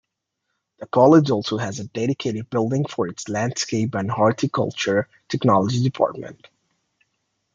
The college also has a dedicated building for its Landscape and Horticulture Technology Department.